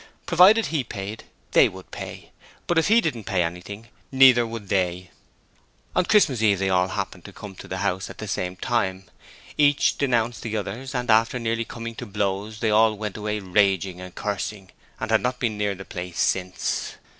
Provided he paid, they would pay; but if he didn't pay anything, neither would they. On Christmas Eve they all happened to come to the house at the same time; each denounced the others, and after nearly coming to blows they all went away raging and cursing and had not been near the place since.